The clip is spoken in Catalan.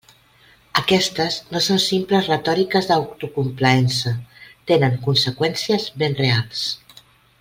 Aquestes no són simples retòriques d'autocomplaença: tenen conseqüències ben reals.